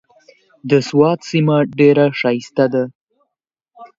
د سوات سيمه ډېره ښايسته ده۔